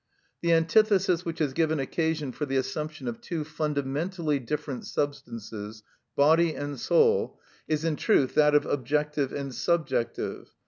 The antithesis which has given occasion for the assumption of two fundamentally different substances, body and soul, is in truth that of objective and subjective.